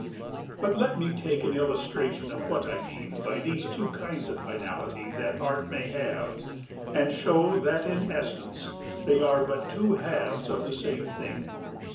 But let me take an illustration of what I mean by these two kinds of finality that Art may have, and show that in essence they are but two halves of the same thing.